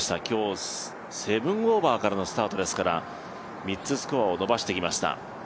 今日７オーバーからのスタートですから３つスコアを伸ばしてきました。